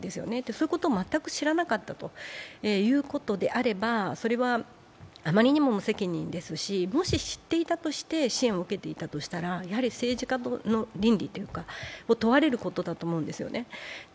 そういうことを全く知らなかったということであれば、それは、あまりにも無責任ですし、もし知っていて支援を受けていたとしたら、やはり政治家の倫理を問われることだと思うんですよね。